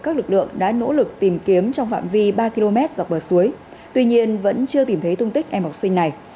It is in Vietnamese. các lực lượng đã nỗ lực tìm kiếm trong phạm vi ba km dọc bờ suối tuy nhiên vẫn chưa tìm thấy tung tích em học sinh này